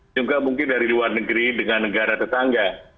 juga mungkin dari luar negeri dengan negara tetangga